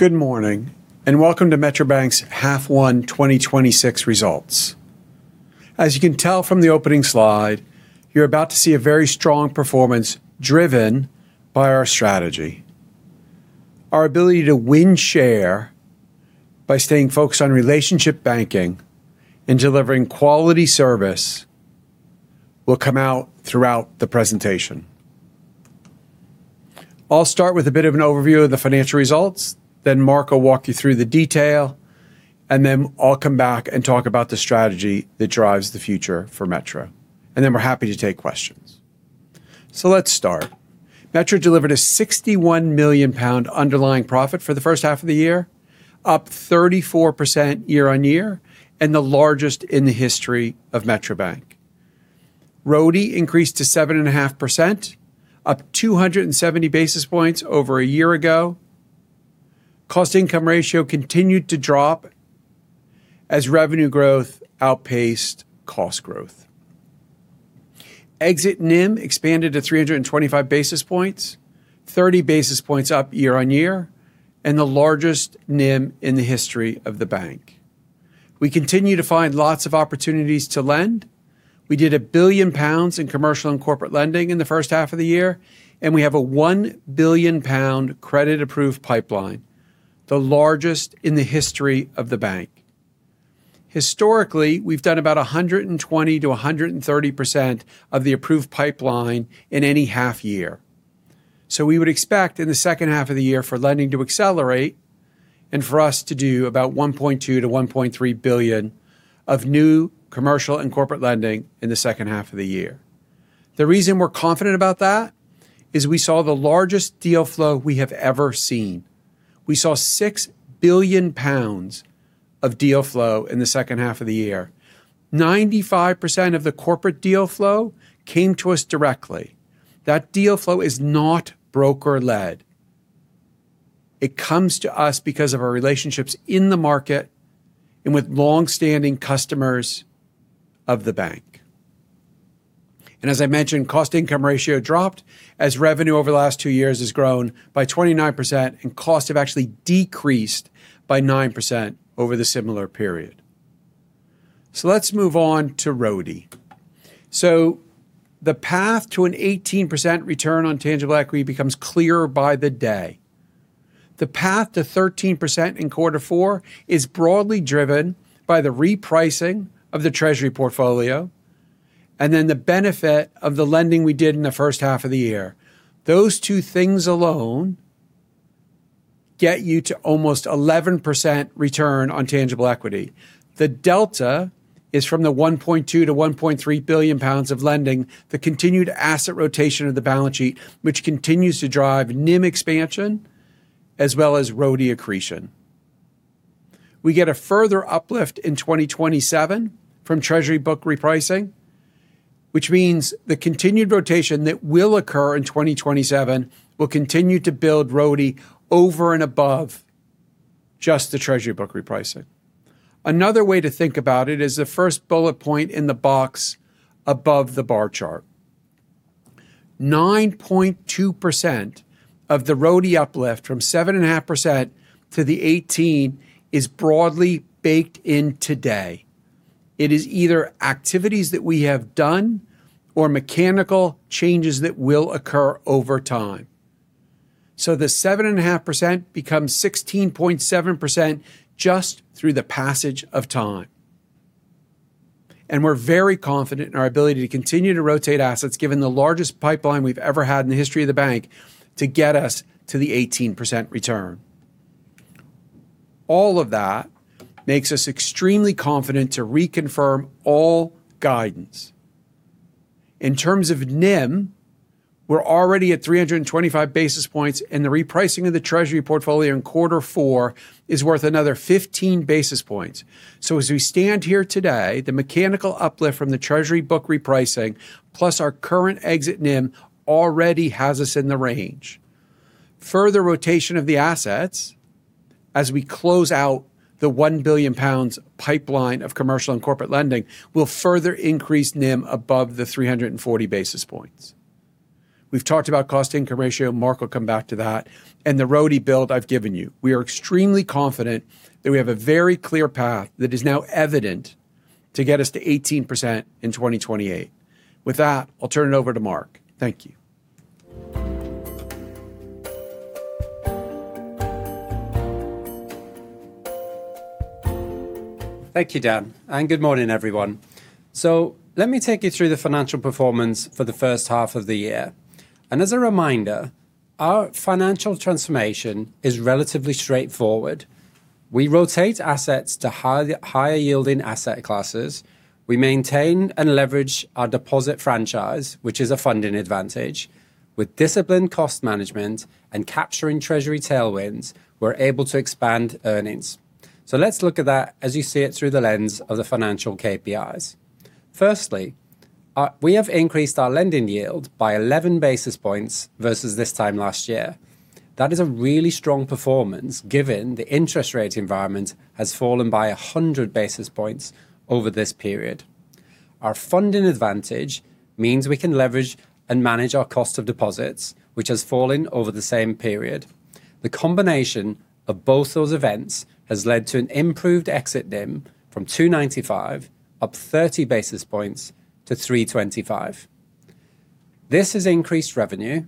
Good morning, and welcome to Metro Bank's H1 2026 Results. As you can tell from the opening slide, you are about to see a very strong performance driven by our strategy. Our ability to win share by staying focused on relationship banking and delivering quality service will come out throughout the presentation. I will start with a bit of an overview of the financial results. Marc will walk you through the detail, and I will come back and talk about the strategy that drives the future for Metro. We are happy to take questions. Let's start. Metro delivered a 61 million pound underlying profit for the first half of the year, up 34% year-over-year, and the largest in the history of Metro Bank. RoTE increased to 7.5%, up 270 basis points over a year ago. Cost-income ratio continued to drop as revenue growth outpaced cost growth. Exit NIM expanded to 325 basis points, 30 basis points up year-over-year, and the largest NIM in the history of the bank. We continue to find lots of opportunities to lend. We did 1 billion pounds in commercial and corporate lending in the first half of the year, and we have a 1 billion pound credit approved pipeline, the largest in the history of the bank. Historically, we have done about 120%-130% of the approved pipeline in any half year. We would expect in the second half of the year for lending to accelerate and for us to do about 1.2 billion-1.3 billion of new commercial and corporate lending in the second half of the year. The reason we are confident about that is we saw the largest deal flow we have ever seen. We saw 6 billion pounds of deal flow in the second half of the year. 95% of the corporate deal flow came to us directly. That deal flow is not broker-led. It comes to us because of our relationships in the market and with long-standing customers of the bank. As I mentioned, cost-income ratio dropped as revenue over the last two years has grown by 29% and costs have actually decreased by 9% over the similar period. Let's move on to RoTE. The path to an 18% return on tangible equity becomes clearer by the day. The path to 13% in quarter four is broadly driven by the repricing of the treasury portfolio and the benefit of the lending we did in the first half of the year. Those two things alone get you to almost 11% return on tangible equity. The delta is from the 1.2 billion-1.3 billion pounds of lending, the continued asset rotation of the balance sheet, which continues to drive NIM expansion as well as RoTE accretion. We get a further uplift in 2027 from treasury book repricing, which means the continued rotation that will occur in 2027 will continue to build RoTE over and above just the treasury book repricing. Another way to think about it is the first bullet point in the box above the bar chart. 9.2% of the RoTE uplift from 7.5% to the 18% is broadly baked in today. It is either activities that we have done or mechanical changes that will occur over time. The 7.5% becomes 16.7% just through the passage of time. We're very confident in our ability to continue to rotate assets given the largest pipeline we've ever had in the history of the bank to get us to the 18% return. All of that makes us extremely confident to reconfirm all guidance. In terms of NIM, we're already at 325 basis points, and the repricing of the treasury portfolio in quarter four is worth another 15 basis points. As we stand here today, the mechanical uplift from the treasury book repricing, plus our current exit NIM already has us in the range. Further rotation of the assets as we close out the 1 billion pounds pipeline of commercial and corporate lending will further increase NIM above the 340 basis points. We've talked about cost-income ratio, Marc will come back to that, and the RoTE build I've given you. We are extremely confident that we have a very clear path that is now evident to get us to 18% in 2028. With that, I'll turn it over to Marc. Thank you. Thank you, Dan, good morning, everyone. Let me take you through the financial performance for the first half of the year. As a reminder, our financial transformation is relatively straightforward. We rotate assets to higher yielding asset classes. We maintain and leverage our deposit franchise, which is a funding advantage. With disciplined cost management and capturing treasury tailwinds, we're able to expand earnings. Let's look at that as you see it through the lens of the financial KPIs. Firstly, we have increased our lending yield by 11 basis points versus this time last year. That is a really strong performance given the interest rate environment has fallen by 100 basis points over this period. Our funding advantage means we can leverage and manage our cost of deposits, which has fallen over the same period. The combination of both those events has led to an improved exit NIM from 295 up 30 basis points to 325. This has increased revenue,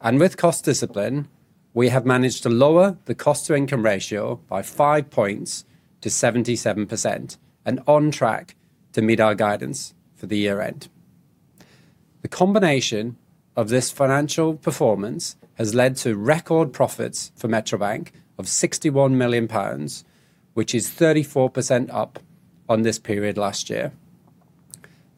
and with cost discipline, we have managed to lower the cost to income ratio by 5 points to 77% and on track to meet our guidance for the year-end. The combination of this financial performance has led to record profits for Metro Bank of 61 million pounds, which is 34% up on this period last year.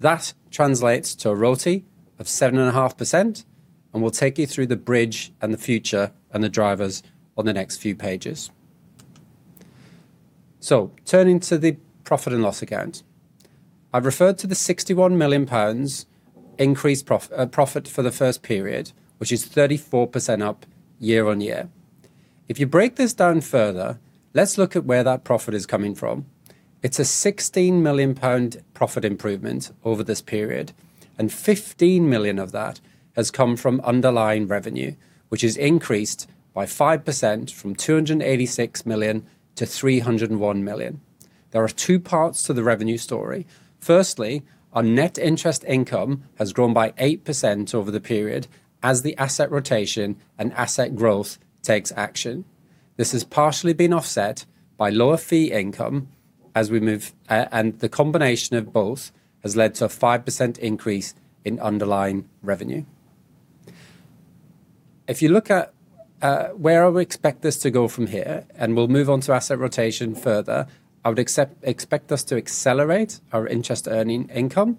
That translates to a RoTE of 7.5%, and we'll take you through the bridge and the future and the drivers on the next few pages. Turning to the profit and loss account. I've referred to the 61 million pounds increased profit for the first period, which is 34% up year on year. If you break this down further, let's look at where that profit is coming from. It is a 16 million pound profit improvement over this period, and 15 million of that has come from underlying revenue, which has increased by 5% from 286 million to 301 million. There are two parts to the revenue story. Firstly, our net interest income has grown by 8% over the period as the asset rotation and asset growth takes action. This has partially been offset by lower fee income as we move, and the combination of both has led to a 5% increase in underlying revenue. If you look at where I would expect this to go from here, and we will move on to asset rotation further, I would expect us to accelerate our interest earning income,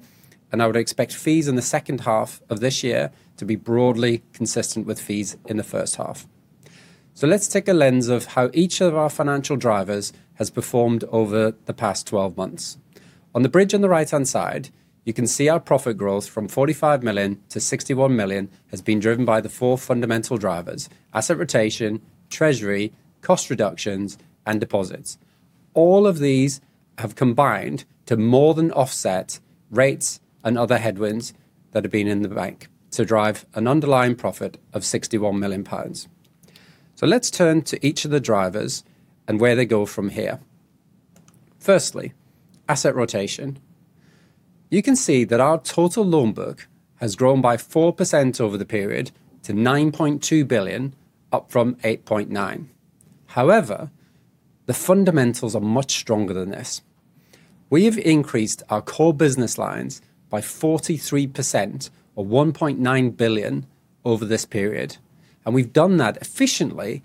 and I would expect fees in the second half of this year to be broadly consistent with fees in the first half. Let us take a lens of how each of our financial drivers has performed over the past 12 months. On the bridge on the right-hand side, you can see our profit growth from 45 million to 61 million has been driven by the four fundamental drivers: asset rotation, treasury, cost reductions, and deposits. All of these have combined to more than offset rates and other headwinds that have been in the bank to drive an underlying profit of 61 million pounds. Let us turn to each of the drivers and where they go from here. Firstly, asset rotation. You can see that our total loan book has grown by 4% over the period to 9.2 billion, up from 8.9 billion. However, the fundamentals are much stronger than this. We have increased our core business lines by 43%, or 1.9 billion over this period, and we have done that efficiently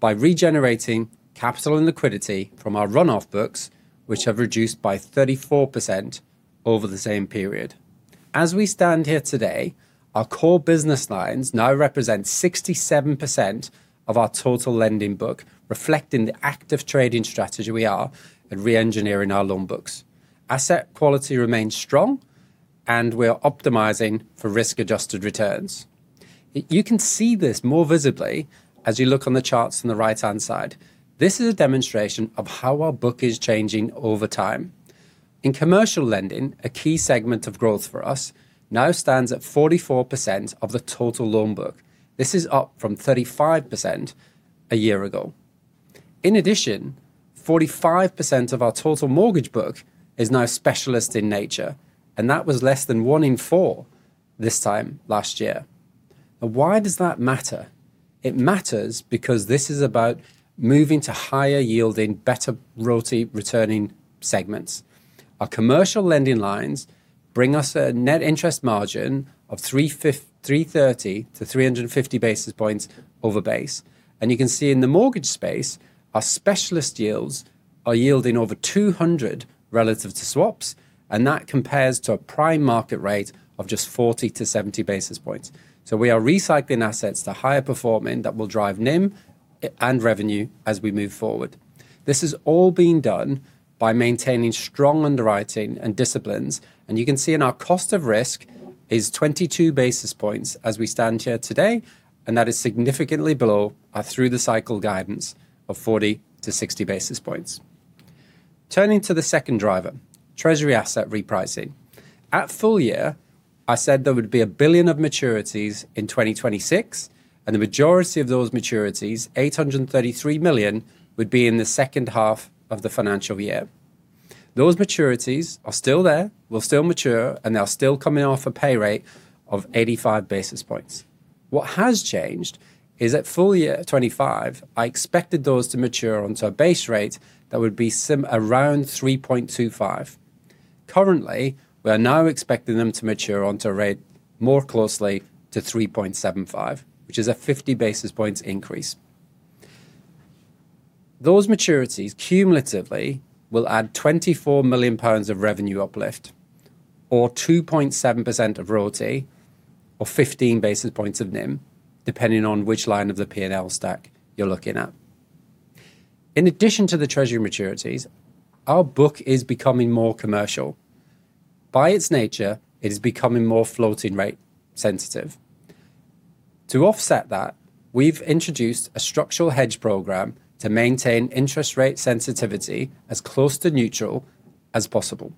by regenerating capital and liquidity from our run-off books, which have reduced by 34% over the same period. As we stand here today, our core business lines now represent 67% of our total lending book, reflecting the active trading strategy we are and re-engineering our loan books. Asset quality remains strong, and we are optimizing for risk-adjusted returns. You can see this more visibly as you look on the charts on the right-hand side. This is a demonstration of how our book is changing over time. In commercial lending, a key segment of growth for us now stands at 44% of the total loan book. This is up from 35% a year ago. In addition, 45% of our total mortgage book is now specialist in nature, and that was less than one in four this time last year. Why does that matter? It matters because this is about moving to higher yielding, better RoTE-returning segments. Our commercial lending lines bring us a net interest margin of 330 basis points-350 basis points over base. You can see in the mortgage space, our specialist yields are yielding over 200 basis points relative to swaps, and that compares to a prime market rate of just 40 basis points-70 basis points. We are recycling assets to higher performing that will drive NIM and revenue as we move forward. This is all being done by maintaining strong underwriting and disciplines. You can see in our cost of risk is 22 basis points as we stand here today, and that is significantly below our through the cycle guidance of 40 basis points-60 basis points. Turning to the second driver, treasury asset repricing. At full year, I said there would be 1 billion of maturities in 2026, and the majority of those maturities, 833 million, would be in the second half of the financial year. Those maturities are still there, will still mature, and they're still coming off a pay rate of 85 basis points. What has changed is at full year 2025, I expected those to mature onto a base rate that would be around 3.25. Currently, we are now expecting them to mature onto a rate more closely to 3.75, which is a 50 basis points increase. Those maturities cumulatively will add 24 million pounds of revenue uplift or 2.7% of RoTE or 15 basis points of NIM, depending on which line of the P&L stack you're looking at. In addition to the treasury maturities, our book is becoming more commercial. By its nature, it is becoming more floating rate sensitive. To offset that, we've introduced a structural hedge program to maintain interest rate sensitivity as close to neutral as possible.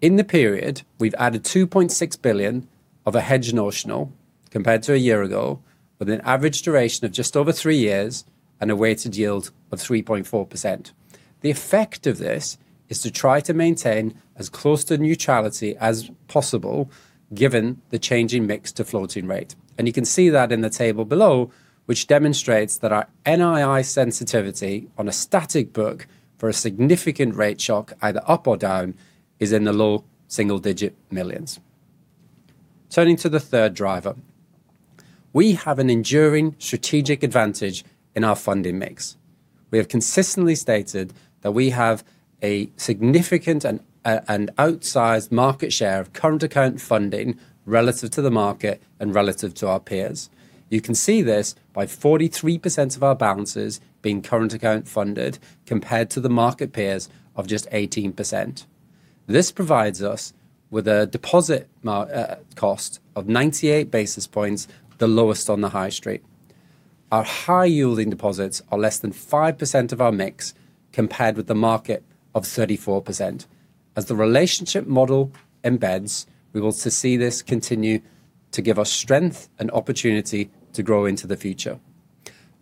In the period, we've added 2.6 billion of a hedge notional compared to a year ago, with an average duration of just over three years and a weighted yield of 3.4%. The effect of this is to try to maintain as close to neutrality as possible, given the changing mix to floating rate. You can see that in the table below, which demonstrates that our NII sensitivity on a static book for a significant rate shock, either up or down, is in the low single-digit millions. Turning to the third driver. We have an enduring strategic advantage in our funding mix. We have consistently stated that we have a significant and outsized market share of current account funding relative to the market and relative to our peers. You can see this by 43% of our balances being current account funded, compared to the market peers of just 18%. This provides us with a deposit cost of 98 basis points, the lowest on the high street. Our high-yielding deposits are less than 5% of our mix, compared with the market of 34%. As the relationship model embeds, we will see this continue to give us strength and opportunity to grow into the future.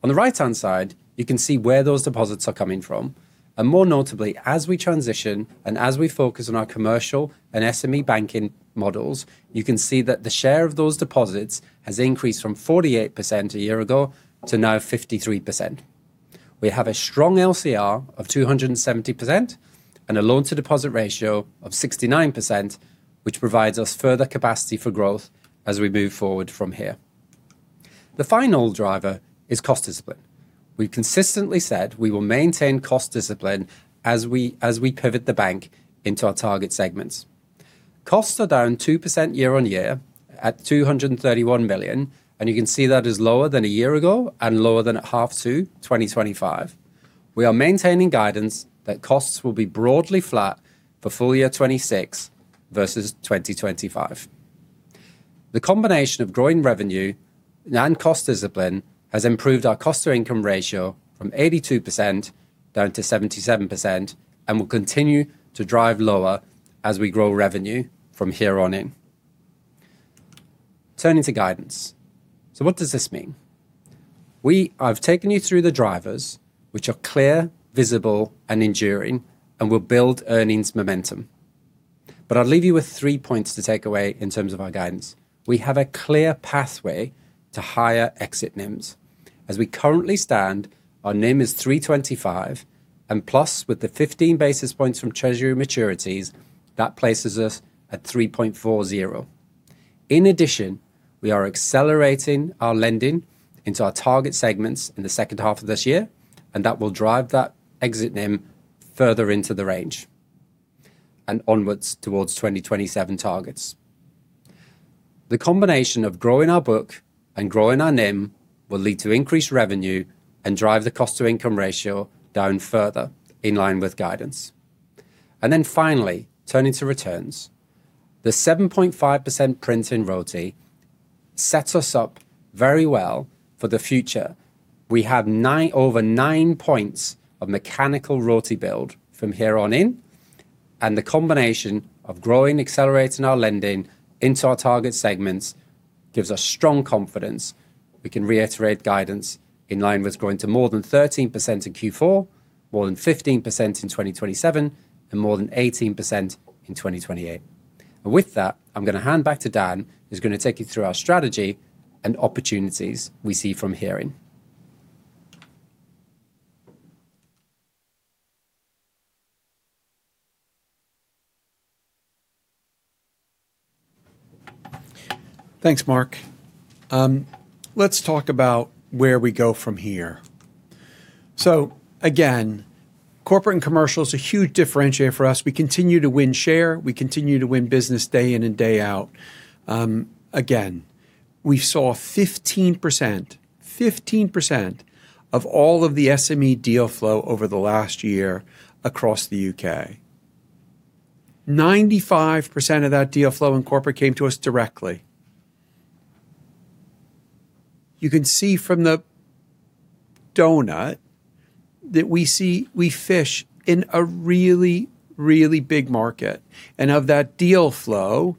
On the right-hand side, you can see where those deposits are coming from. More notably, as we transition and as we focus on our commercial and SME banking models, you can see that the share of those deposits has increased from 48% a year ago to now 53%. We have a strong LCR of 270% and a loan-to-deposit ratio of 69%, which provides us further capacity for growth as we move forward from here. The final driver is cost discipline. We've consistently said we will maintain cost discipline as we pivot the bank into our target segments. Costs are down 2% year on year at 231 million, and you can see that is lower than a year ago and lower than at half two 2025. We are maintaining guidance that costs will be broadly flat for full year 2026 versus 2025. The combination of growing revenue and cost discipline has improved our cost-to-income ratio from 82% down to 77% and will continue to drive lower as we grow revenue from here on in. Turning to guidance. What does this mean? I've taken you through the drivers, which are clear, visible and enduring and will build earnings momentum. I'll leave you with three points to take away in terms of our guidance. We have a clear pathway to higher exit NIMs. As we currently stand, our NIM is 325, and plus with the 15 basis points from treasury maturities, that places us at 3.40. In addition, we are accelerating our lending into our target segments in the second half of this year, and that will drive that exit NIM further into the range and onwards towards 2027 targets. The combination of growing our book and growing our NIM will lead to increased revenue and drive the cost-to-income ratio down further, in line with guidance. Finally, turning to returns. The 7.5% print in RoTE sets us up very well for the future. We have over 9 points of mechanical RoTE build from here on in, and the combination of growing, accelerating our lending into our target segments gives us strong confidence we can reiterate guidance in line with growing to more than 13% in Q4, more than 15% in 2027, and more than 18% in 2028. With that, I'm going to hand back to Dan, who's going to take you through our strategy and opportunities we see from herein. Thanks, Marc. Let's talk about where we go from here. Again, corporate and commercial is a huge differentiator for us. We continue to win share, we continue to win business day in and day out. Again, we saw 15% of all of the SME deal flow over the last year across the U.K. 95% of that deal flow in corporate came to us directly. You can see from the donut that we fish in a really, really big market. Of that deal flow,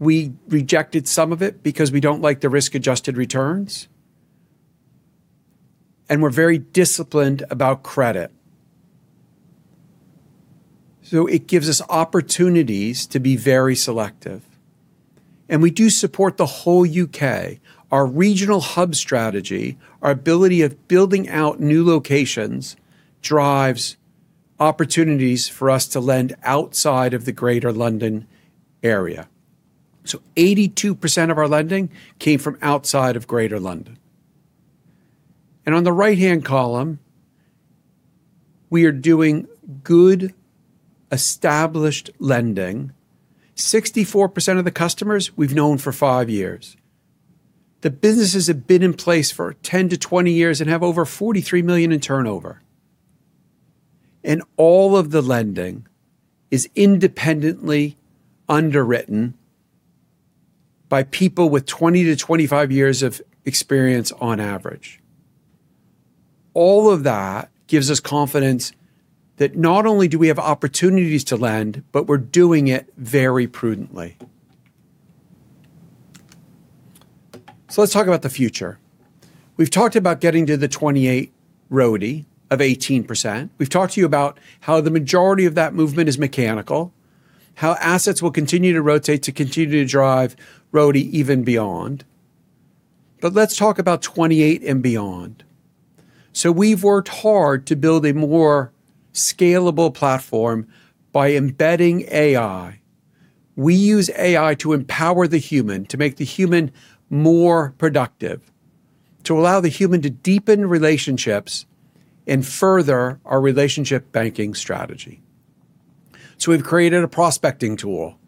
we rejected some of it because we don't like the risk-adjusted returns, and we're very disciplined about credit. It gives us opportunities to be very selective. We do support the whole U.K. Our regional hub strategy, our ability of building out new locations, drives opportunities for us to lend outside of the Greater London area. 82% of our lending came from outside of Greater London. On the right-hand column, we are doing good established lending. 64% of the customers we've known for five years. The businesses have been in place for 10-20 years and have over 43 million in turnover. All of the lending is independently underwritten by people with 20-25 years of experience on average. All of that gives us confidence that not only do we have opportunities to lend, but we're doing it very prudently. Let's talk about the future. We've talked about getting to the 2028 RoTE of 18%. We've talked to you about how the majority of that movement is mechanical, how assets will continue to rotate to continue to drive RoTE even beyond. Let's talk about 2028 and beyond. We've worked hard to build a more scalable platform by embedding AI. We use AI to empower the human, to make the human more productive, to allow the human to deepen relationships, and further our relationship banking strategy. We've created a prospecting tool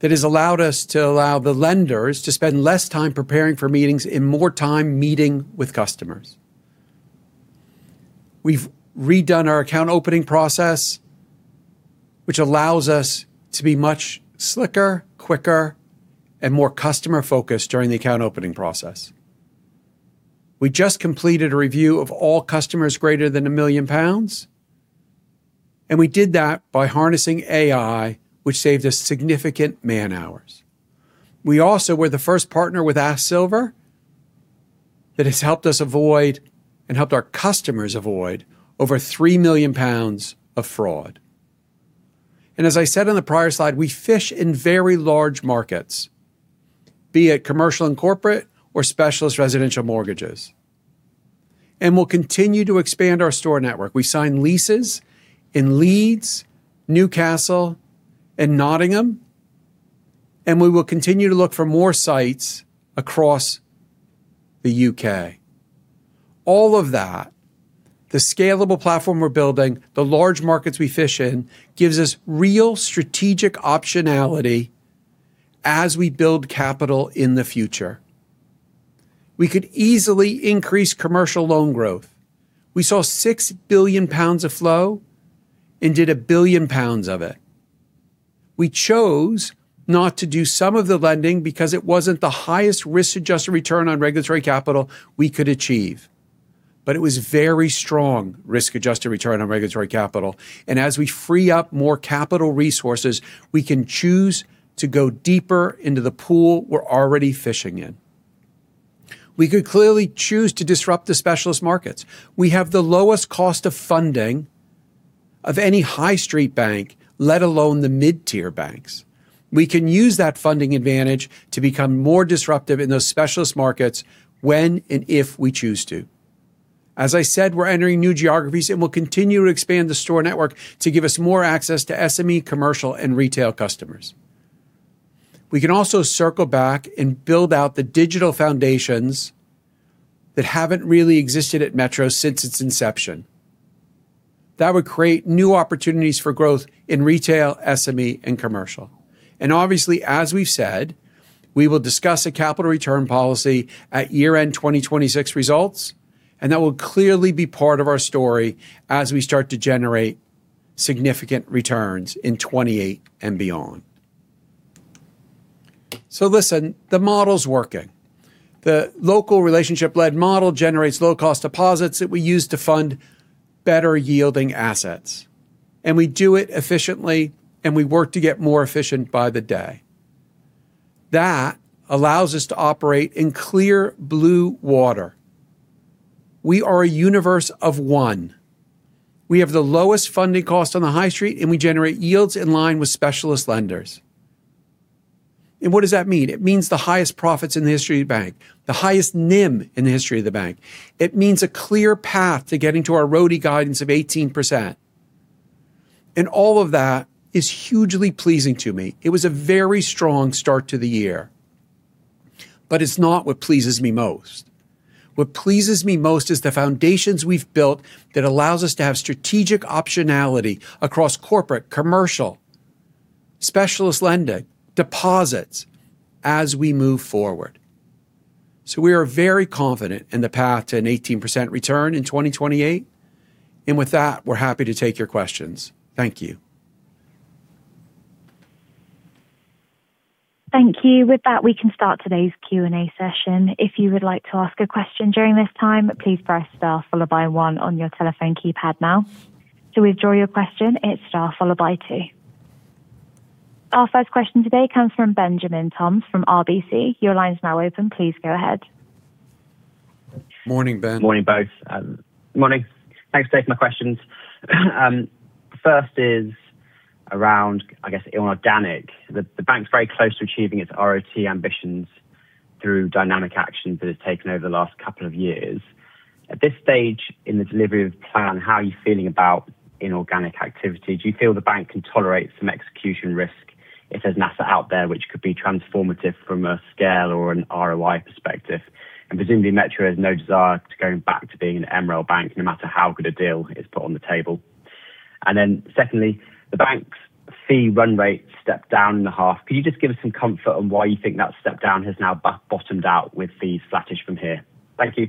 that has allowed us to allow the lenders to spend less time preparing for meetings and more time meeting with customers. We've redone our account opening process, which allows us to be much slicker, quicker, and more customer-focused during the account opening process. We just completed a review of all customers greater than 1 million pounds, and we did that by harnessing AI, which saved us significant man-hours. We also were the first partner with Ask Silver. That has helped us avoid, and helped our customers avoid, over 3 million pounds of fraud. As I said on the prior slide, I fish in very large markets, be it commercial and corporate or specialist residential mortgages. We'll continue to expand our store network. We signed leases in Leeds, Newcastle, and Nottingham, and we will continue to look for more sites across the U.K. All of that, the scalable platform we're building, the large markets we fish in, gives us real strategic optionality as we build capital in the future. We could easily increase commercial loan growth. We saw 6 billion pounds of flow and did 1 billion pounds of it. We chose not to do some of the lending because it wasn't the highest risk-adjusted return on regulatory capital we could achieve. It was very strong risk-adjusted return on regulatory capital. As we free up more capital resources, we can choose to go deeper into the pool we're already fishing in. We could clearly choose to disrupt the specialist markets. We have the lowest cost of funding of any high street bank, let alone the mid-tier banks. We can use that funding advantage to become more disruptive in those specialist markets when and if we choose to. As I said, we're entering new geographies, and we'll continue to expand the store network to give us more access to SME, commercial, and retail customers. We can also circle back and build out the digital foundations that haven't really existed at Metro since its inception. That would create new opportunities for growth in retail, SME, and commercial. Obviously, as we've said, we will discuss a capital return policy at year-end 2026 results, and that will clearly be part of our story as we start to generate significant returns in 2028 and beyond. Listen, the model's working. The local relationship-led model generates low-cost deposits that we use to fund better-yielding assets. We do it efficiently, and we work to get more efficient by the day. That allows us to operate in clear blue water. We are a universe of one. We have the lowest funding cost on the high street, and we generate yields in line with specialist lenders. What does that mean? It means the highest profits in the history of the bank, the highest NIM in the history of the bank. It means a clear path to getting to our RoTE guidance of 18%. All of that is hugely pleasing to me. It was a very strong start to the year. It's not what pleases me most. What pleases me most is the foundations we've built that allows us to have strategic optionality across corporate, commercial, specialist lending, deposits as we move forward. We are very confident in the path to an 18% return in 2028. With that, we're happy to take your questions. Thank you. Thank you. With that, we can start today's Q&A session. If you would like to ask a question during this time, please press star followed by one on your telephone keypad now. To withdraw your question, it's star followed by two. Our first question today comes from Benjamin Toms from RBC. Your line is now open. Please go ahead. Morning, Ben. Morning, both. Morning. Thanks for taking my questions. First is around, I guess, inorganic. The bank's very close to achieving its RoTE ambitions through dynamic actions that it's taken over the last couple of years. At this stage in the delivery of the plan, how are you feeling about inorganic activity? Do you feel the bank can tolerate some execution risk if there's an asset out there which could be transformative from a scale or an ROI perspective? Presumably Metro has no desire to going back to being an MREL bank, no matter how good a deal is put on the table. Then secondly, the bank's fee run rate stepped down in the half. Could you just give us some comfort on why you think that step down has now bottomed out with fees flattish from here? Thank you.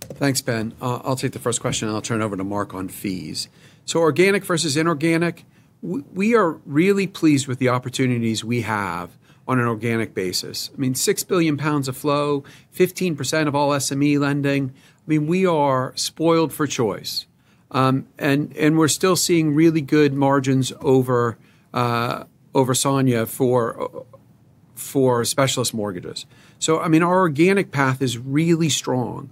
Thanks, Ben. I'll take the first question, I'll turn it over to Marc on fees. Organic versus inorganic. We are really pleased with the opportunities we have on an organic basis. 6 billion pounds of flow, 15% of all SME lending. We are spoiled for choice. We're still seeing really good margins over SONIA for specialist mortgages. Our organic path is really strong.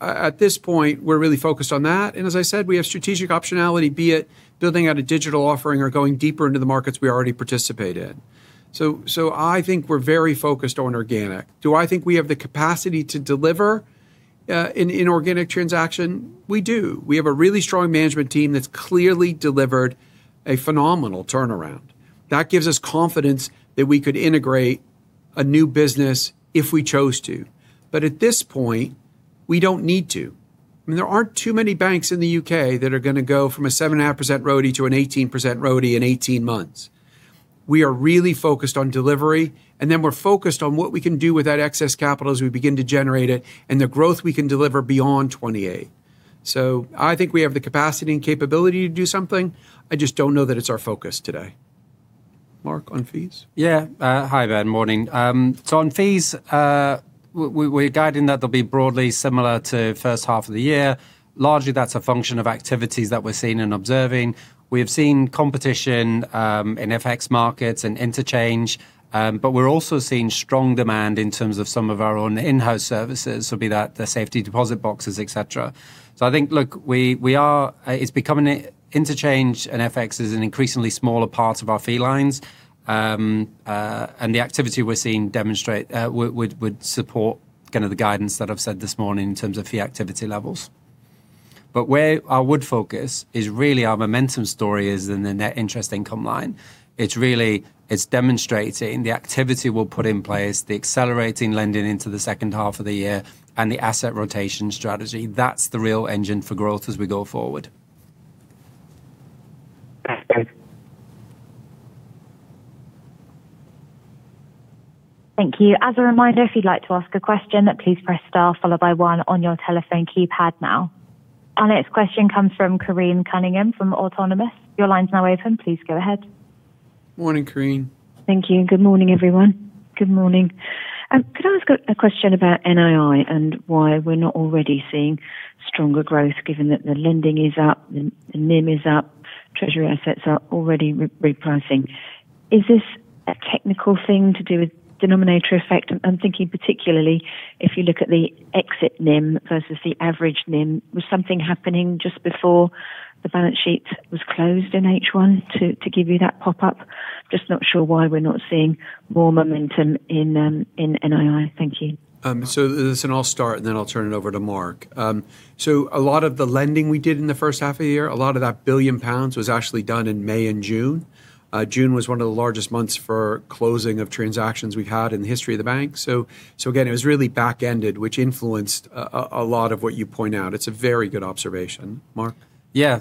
At this point, we're really focused on that. As I said, we have strategic optionality, be it building out a digital offering or going deeper into the markets we already participate in. I think we're very focused on organic. Do I think we have the capacity to deliver an inorganic transaction? We do. We have a really strong management team that's clearly delivered a phenomenal turnaround. That gives us confidence that we could integrate a new business if we chose to. At this point, we don't need to. There aren't too many banks in the U.K. that are going to go from a 7.5% RoTE to an 18% RoTE in 18 months. We are really focused on delivery, we're focused on what we can do with that excess capital as we begin to generate it and the growth we can deliver beyond 2028. I think we have the capacity and capability to do something. I just don't know that it's our focus today. Marc, on fees? Hi, Ben. Morning. On fees, we're guiding that they'll be broadly similar to first half of the year. Largely, that's a function of activities that we're seeing and observing. We have seen competition in FX markets and interchange, we're also seeing strong demand in terms of some of our own in-house services, so be that the safety deposit boxes, et cetera. I think, look, interchange and FX is an increasingly smaller part of our fee lines. The activity we're seeing would support kind of the guidance that I've said this morning in terms of fee activity levels. Where I would focus is really our momentum story is in the NII line. It's demonstrating the activity we'll put in place, the accelerating lending into the second half of the year, and the asset rotation strategy. That's the real engine for growth as we go forward. Thanks. Thank you. As a reminder, if you'd like to ask a question, please press star followed by one on your telephone keypad now. Our next question comes from Corinne Cunningham from Autonomous. Your line's now open. Please go ahead. Morning, Corinne. Thank you. Good morning, everyone. Good morning. Could I ask a question about NII and why we're not already seeing stronger growth, given that the lending is up, the NIM is up, treasury assets are already repricing. Is this a technical thing to do with denominator effect? I'm thinking particularly if you look at the exit NIM versus the average NIM. Was something happening just before the balance sheet was closed in H1 to give you that pop-up? Just not sure why we're not seeing more momentum in NII. Thank you. Listen, I'll start, and then I'll turn it over to Marc. A lot of the lending we did in the first half of the year, a lot of that 1 billion pounds was actually done in May and June. June was one of the largest months for closing of transactions we've had in the history of the bank. Again, it was really back-ended, which influenced a lot of what you point out. It's a very good observation. Marc? Yeah.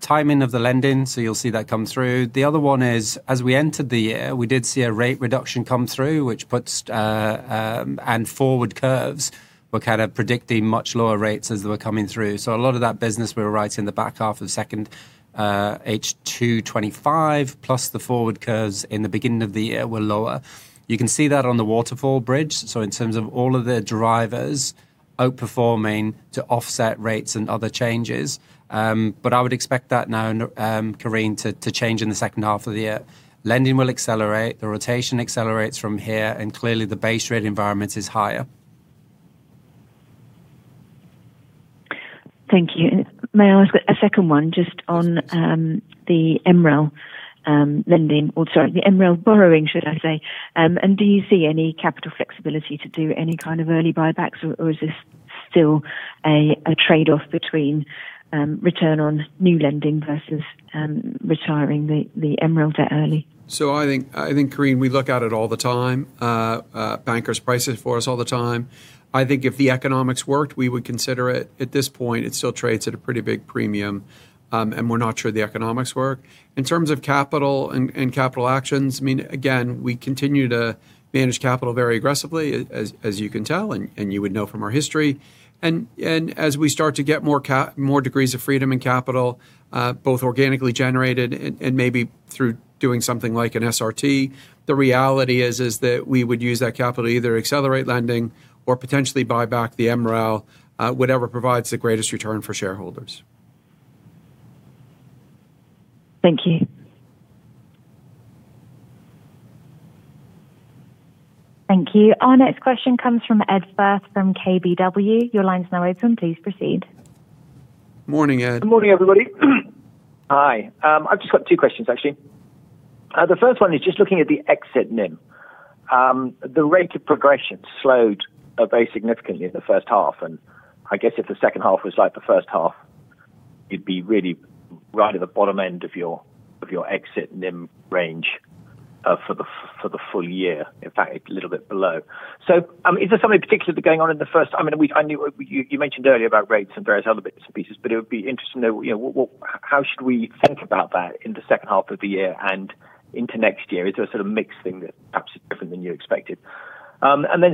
Timing of the lending, so you'll see that come through. The other one is, as we entered the year, we did see a rate reduction come through, and forward curves were kind of predicting much lower rates as they were coming through. A lot of that business we were writing the back half of the second H2 2025, plus the forward curves in the beginning of the year were lower. You can see that on the waterfall bridge. In terms of all of the drivers outperforming to offset rates and other changes. I would expect that now, Corinne, to change in the second half of the year. Lending will accelerate, the rotation accelerates from here, and clearly the base rate environment is higher. Thank you. May I ask a second one just on the MREL lending, or sorry, the MREL borrowing, should I say. Do you see any capital flexibility to do any kind of early buybacks? Is this still a trade-off between return on new lending versus retiring the MREL debt early? I think, Corinne, we look at it all the time. Bankers price it for us all the time. I think if the economics worked, we would consider it. At this point, it still trades at a pretty big premium, and we're not sure the economics work. In terms of capital and capital actions, again, we continue to manage capital very aggressively, as you can tell and you would know from our history. As we start to get more degrees of freedom and capital, both organically generated and maybe through doing something like an SRT, the reality is that we would use that capital to either accelerate lending or potentially buy back the MREL, whatever provides the greatest return for shareholders. Thank you. Thank you. Our next question comes from Ed Firth from KBW. Your line is now open. Please proceed. Morning, Ed. Good morning, everybody. Hi. I've just got two questions, actually. The first one is just looking at the exit NIM. The rate of progression slowed very significantly in the first half, and I guess if the second half was like the first half, it'd be really right at the bottom end of your exit NIM range for the full year. In fact, a little bit below. Is there something particular going on? You mentioned earlier about rates and various other bits and pieces, but it would be interesting to know how should we think about that in the second half of the year and into next year? Is there a sort of mixed thing that perhaps is different than you expected?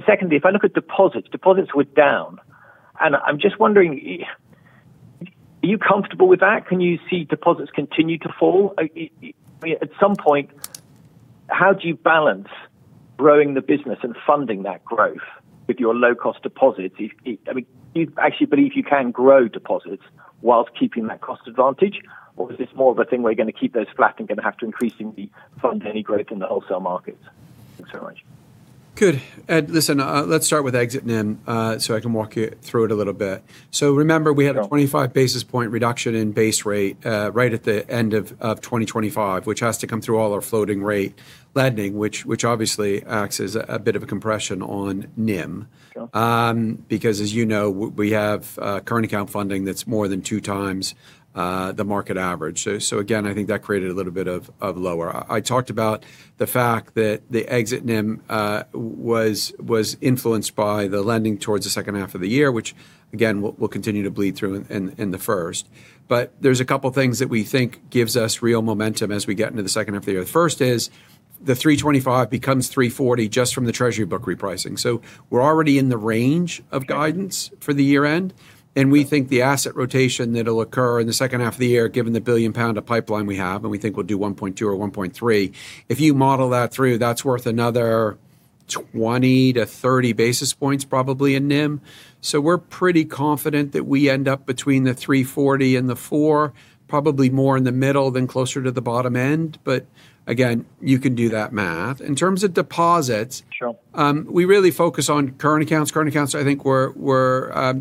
Secondly, if I look at deposits were down, and I'm just wondering, are you comfortable with that? Can you see deposits continue to fall? At some point, how do you balance growing the business and funding that growth with your low-cost deposits? Do you actually believe you can grow deposits while keeping that cost advantage, or is this more of a thing where you're going to keep those flat and going to have to increasingly fund any growth in the wholesale markets? Thanks so much. Good. Ed, listen, let's start with exit NIM so I can walk you through it a little bit. Remember, we had- Sure a 25 basis point reduction in base rate right at the end of 2025, which has to come through all our floating rate lending, which obviously acts as a bit of a compression on NIM. Sure. As you know, we have current account funding that's more than two times the market average. Again, I think that created a little bit of lower. I talked about the fact that the exit NIM was influenced by the lending towards the second half of the year, which again, will continue to bleed through in the first. There's a couple things that we think gives us real momentum as we get into the second half of the year. The first is the 325 becomes 340 just from the treasury book repricing. We're already in the range of guidance for the year end, and we think the asset rotation that'll occur in the second half of the year, given the 1 billion pound of pipeline we have, and we think we'll do 1.2 billion or 1.3 billion. If you model that through, that's worth another 20 basis points-30 basis points, probably in NIM. We're pretty confident that we end up between the 340 and the 4%, probably more in the middle than closer to the bottom end. Again, you can do that math. In terms of deposits- Sure we really focus on current accounts. Current accounts, I think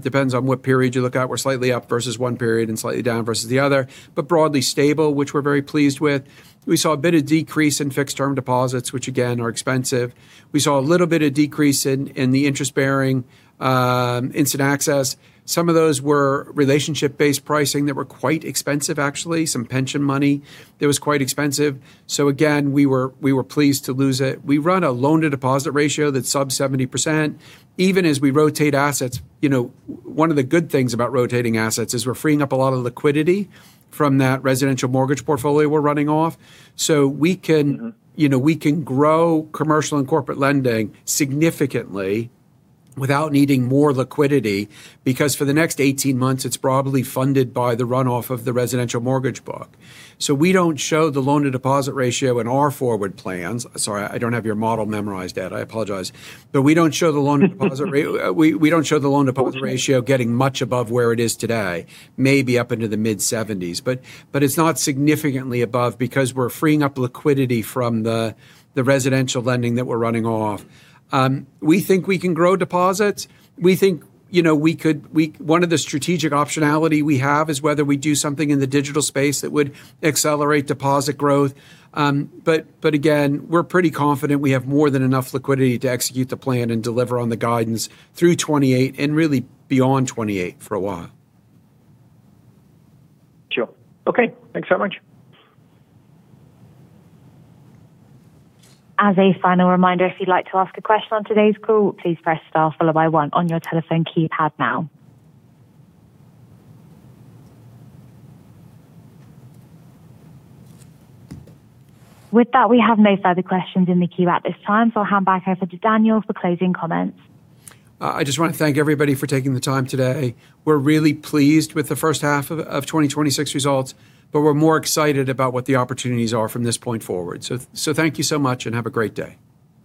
depends on what period you look at, were slightly up versus one period and slightly down versus the other, but broadly stable, which we're very pleased with. We saw a bit of decrease in fixed-term deposits, which again, are expensive. We saw a little bit of decrease in the interest-bearing instant access. Some of those were relationship-based pricing that were quite expensive, actually. Some pension money that was quite expensive. Again, we were pleased to lose it. We run a loan-to-deposit ratio that's sub 70%. Even as we rotate assets, one of the good things about rotating assets is we're freeing up a lot of liquidity from that residential mortgage portfolio we're running off. We can grow commercial and corporate lending significantly without needing more liquidity, because for the next 18 months, it's broadly funded by the runoff of the residential mortgage book. We don't show the loan-to-deposit ratio in our forward plans. Sorry, I don't have your model memorized, Ed, I apologize. We don't show the loan-to-deposit ratio getting much above where it is today. Maybe up into the mid-70s. It's not significantly above because we're freeing up liquidity from the residential lending that we're running off. We think we can grow deposits. One of the strategic optionality we have is whether we do something in the digital space that would accelerate deposit growth. Again, we're pretty confident we have more than enough liquidity to execute the plan and deliver on the guidance through 2028 and really beyond 2028 for a while. Sure. Okay. Thanks so much. As a final reminder, if you'd like to ask a question on today's call, please press star followed by one on your telephone keypad now. With that, we have no further questions in the queue at this time. I'll hand back over to Daniel for closing comments. I just want to thank everybody for taking the time today. We're really pleased with the first half of 2026 results. We're more excited about what the opportunities are from this point forward. Thank you so much and have a great day.